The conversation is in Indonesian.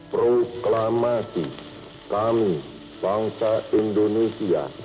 proklamasi kami bangsa indonesia